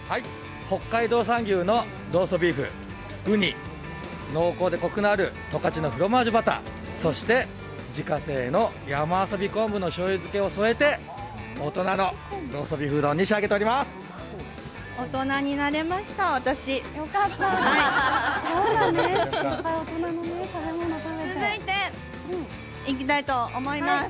北海道産牛のローストビーフ、うに、濃厚でこくのある十勝のフロマージュバター、そして自家製の山わさび昆布のしょうゆ漬けを加えて大人のローストビーフ丼に仕上げております。